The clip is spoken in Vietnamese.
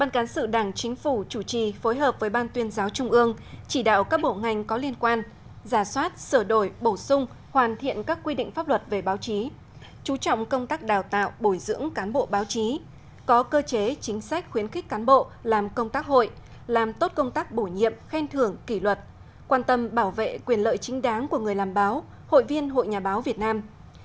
bàn cán sự đảng chính phủ chủ trì phối hợp với ban tuyên giáo trung ương chỉ đạo các bộ ngành có liên quan giả soát sửa đổi bổ sung hoàn thiện các quy định pháp luật về báo chí chú trọng công tác đào tạo bồi dưỡng cán bộ báo chí có cơ chế chính sách khuyến khích cán bộ làm công tác hội làm tốt công tác bổ nhiệm khen thưởng kỷ luật quan tâm bảo vệ quyền lợi chính đáng của người làm báo hội viên hội nhà báo việt nam